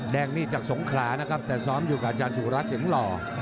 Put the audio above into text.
แดงนี่จากสงขลานะครับแต่ซ้อมอยู่กับอาจารย์สุรัสเสียงหล่อ